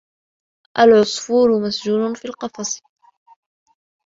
الْعَصْفُورُ مَسْجُونٌ فِي الْقَفَصِ.